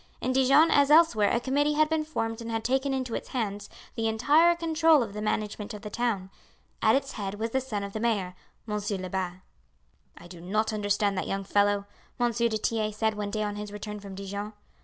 In Dijon as elsewhere a committee had been formed and had taken into its hands the entire control of the management of the town. At its head was the son of the mayor, Monsieur Lebat. "I do not understand that young fellow," M. du Tillet said one day on his return from Dijon.